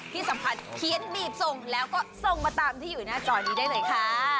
ที่สำคัญเขียนบีบส่งแล้วก็ส่งมาตามที่อยู่หน้าจอนี้ได้หน่อยค่ะ